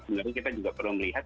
sebenarnya kita juga perlu melihat